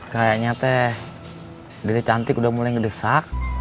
kayaknya teh diri cantik udah mulai ngedesak